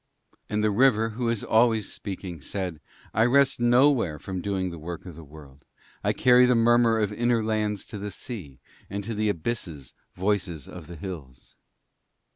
And the river, who is always speaking, said: 'I rest nowhere from doing the Work of the World. I carry the murmur of inner lands to the sea, and to the abysses voices of the hills.'